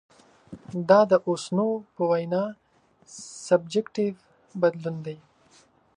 دا د اوسنو په وینا سبجکټیف بدلون دی.